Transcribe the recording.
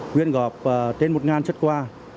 quyên góp trên một xuất qua